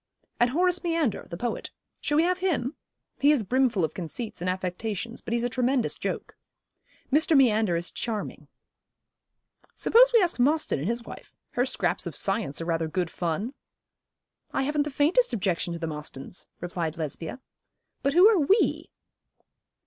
'And Horace Meander, the poet. Shall we have him? He is brimful of conceits and affectations, but he's a tremendous joke.' 'Mr. Meander is charming.' 'Suppose we ask Mostyn and his wife? Her scraps of science are rather good fun.' 'I haven't the faintest objection to the Mostyns,' replied Lesbia. 'But who are "we"?'